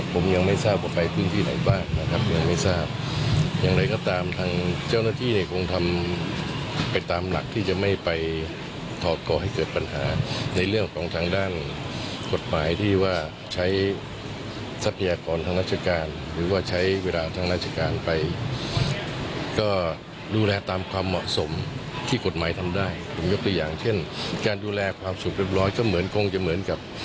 เปรียบร้อยก็เหมือนกลวงจะเหมือนกับ